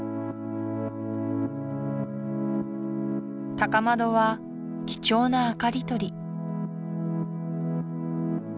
高窓は貴重な明かり取り